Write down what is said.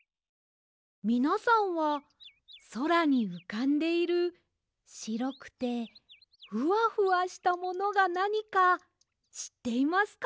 みなさんはそらにうかんでいるしろくてフワフワしたものがなにかしっていますか？